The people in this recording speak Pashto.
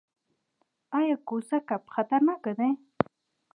ایا کوسه کب خطرناک دی؟